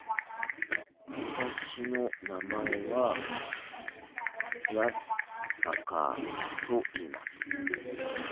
私の名前は宮坂と言います。